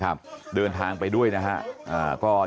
ชาวบ้านในพื้นที่บอกว่าปกติผู้ตายเขาก็อยู่กับสามีแล้วก็ลูกสองคนนะฮะ